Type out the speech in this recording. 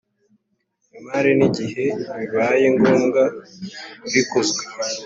imari n igihe bibaye ngombwa rikozwe